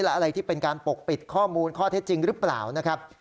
และอะไรที่เป็นการปกปิดข้อมูลข้อเท็จจริงหรือเปล่านะครับ